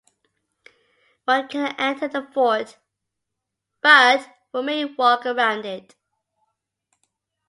One cannot enter the fort, but one may walk around it.